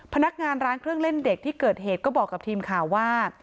พนักงานร้านเครื่องเล่นเด็กที่เกิดเหตุก็บอกกับทีมข่าวว่า